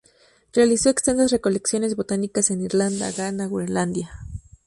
Realizó extensas recolecciones botánicas en Irlanda, Ghana, Groenlandia.